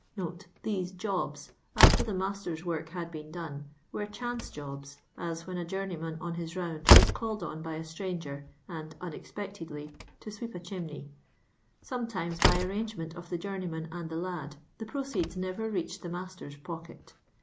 [These " jobs " after the master's work had been done, were chance jobs, as whi;n a journeyman on his round wu called on by a stranger, and unexpectedly, to sweep a chimney. Sometimes, by arrangement of the journeyman and the lad, the proceeds never retiched the master's pocket.